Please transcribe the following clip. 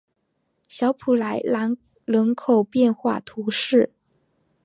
小普莱朗人口变化图示